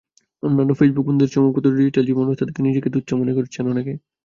অন্যান্য ফেসবুক বন্ধুদের চমকপ্রদ ডিজিটাল জীবনব্যবস্থা দেখে নিজেকে তুচ্ছ মনে করছেন অনেকে।